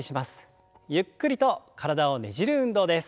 ゆっくりと体をねじる運動です。